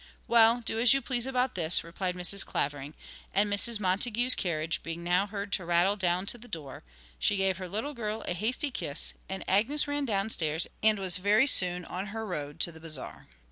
'Well, do as you please about this,' replied Mrs. Clavering; and Mrs. Montague's carriage being now heard to rattle down to the door, she gave her little girl a hasty kiss, and Agnes ran downstairs and was very soon on her road to the Bazaar.